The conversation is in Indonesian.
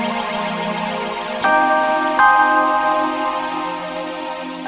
sehingga kebaikan tersebut tidak ada